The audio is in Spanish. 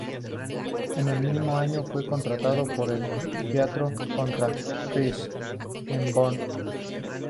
En el mismo año fue contratado por el teatro "Contra-Kreis" de Bonn.